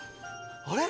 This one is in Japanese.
あれ⁉